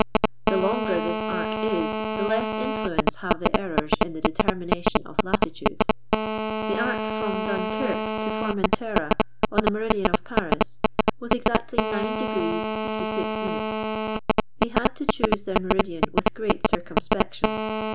The longer this arc is the less influence have the errors in the deter mination of latitude. The arc from Dunkirk to Formentera, on the meridian of Paris, was exactly 9° 56'. They had to choose their meridian with great circumspection.